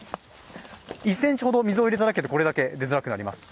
１ｃｍほど水を入れただけで、これだけ出づらくなります。